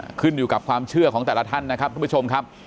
ขึ้นอยู่กับความเชื่อของแต่ละท่านนะครับทุกผู้ชมครับ